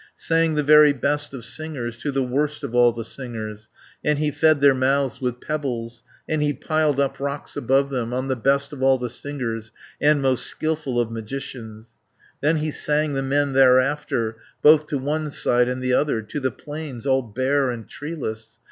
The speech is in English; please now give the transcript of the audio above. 450 Sang the very best of singers To the worst of all the singers, And he fed their mouths with pebbles. And he piled up rocks above them. On the best of all the singers, And most skilful of magicians. Then he sang the men thereafter Both to one side and the other, To the plains, all bare and treeless.